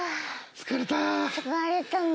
疲れたね。